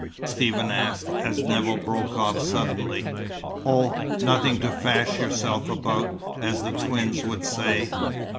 Stephen asked, as Nevill broke off suddenly. "Oh, nothing to fash yourself about, as the twins would say.